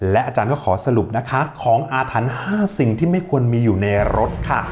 และอาจารย์ก็ขอสรุปนะคะของอาถรรพ์๕สิ่งที่ไม่ควรมีอยู่ในรถค่ะ